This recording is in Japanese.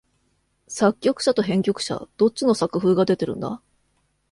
作曲者と編曲者、どっちの作風が出てるんだ？